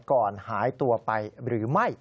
ก่อนหายตัวไปหรือไม่